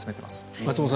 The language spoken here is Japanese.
松本さん